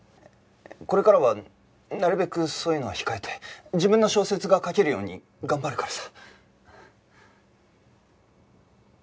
これからはなるべくそういうのは控えて自分の小説が書けるように頑張るからさ。